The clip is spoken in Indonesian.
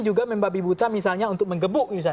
juga membabi buta misalnya untuk mengebuk